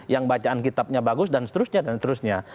yang bacaan kitabnya bagus dan seterusnya